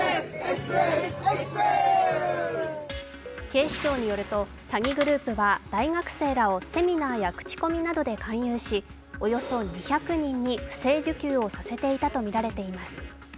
警視庁によると、詐欺グループは大学生らをセミナーや口コミなどで勧誘し、およそ２００人に不正受給をさせていたとみられています。